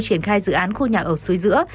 triển khai dự án khu nhà ở suối giữa